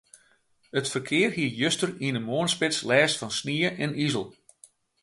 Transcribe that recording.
It ferkear hie juster yn de moarnsspits lêst fan snie en izel.